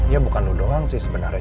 ya bukan lu doang sih sebenarnya